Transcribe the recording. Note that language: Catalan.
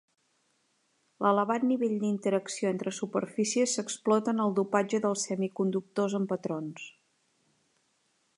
L'elevat nivell d'interacció entre superfícies s'explota en el dopatge de semiconductors amb patrons.